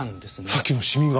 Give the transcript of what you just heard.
さっきのシミが！